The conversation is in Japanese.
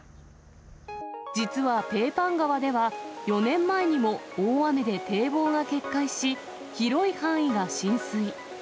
実はペーパン川では、４年前にも大雨で堤防が決壊し、広い範囲が浸水。